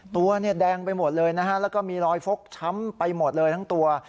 ตัวเนี่ยแดงไปหมดเลยนะฮะแล้วก็มีรอยฟกช้ำไปหมดเลยทั้งตัว